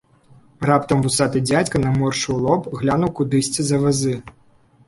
Раптам вусаты дзядзька наморшчыў лоб, глянуў кудысьці за вазы.